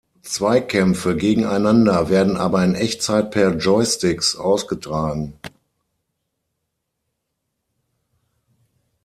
Zweikämpfe gegeneinander werden aber in Echtzeit per Joysticks ausgetragen.